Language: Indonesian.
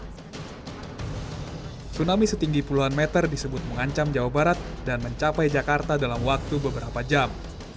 tsunami setinggi puluhan meter disebut mengancam jawa barat dan mencapai jakarta dalam waktu beberapa jam